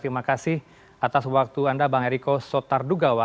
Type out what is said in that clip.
terima kasih atas waktu anda bang eriko sotardugawa